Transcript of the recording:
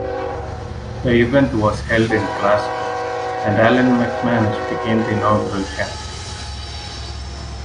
The event was held in Glasgow and Alan McManus became the inaugural champion.